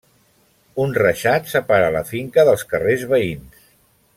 Un reixat separa la finca dels carrers veïns.